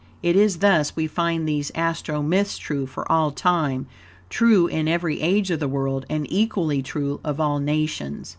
It is thus we find these astro myths true for all time, true in every age of the world, and EQUALLY TRUE OF ALL NATIONS.